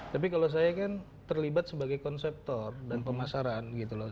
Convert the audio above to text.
tapi kalau saya kan terlibat sebagai konseptor dan pemasaran gitu loh